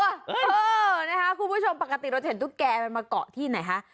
เออนะคะคุณผู้ชมปกติเราจะเห็นตุ๊กแก่มันมาเกาะที่ไหนคะ